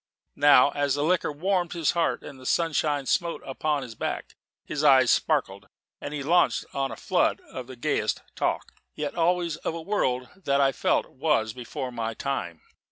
And now, as the liquor warmed his heart and the sunshine smote upon his back, his eyes sparkled, and he launched on a flood of the gayest talk yet always of a world that I felt was before my time.